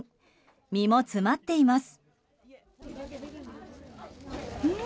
身も詰まっています。